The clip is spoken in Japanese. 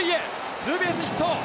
ツーベースヒット。